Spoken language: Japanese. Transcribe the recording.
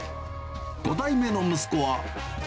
５代目の息子は。